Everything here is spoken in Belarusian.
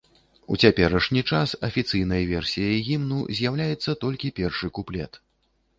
У цяперашні час афіцыйнай версіяй гімну з'яўляецца толькі першы куплет.